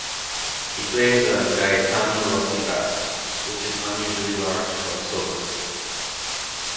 He plays a Gaetano Rossi bass, which is unusually large for a soloist.